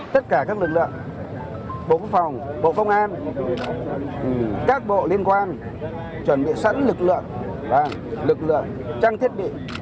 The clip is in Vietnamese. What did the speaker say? tất cả các lực lượng bộ phòng bộ công an các bộ liên quan chuẩn bị sẵn lực lượng lực lượng trang thiết bị